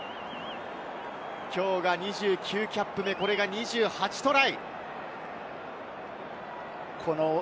きょうが２９キャップ目、これが２８トライ。